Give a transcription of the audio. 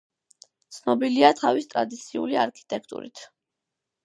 ცნობილია თავის ტრადიციული არქიტექტურით.